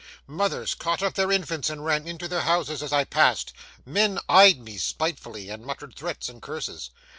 Mothers caught up their infants and ran into their houses as I passed; men eyed me spitefully, and muttered threats and curses.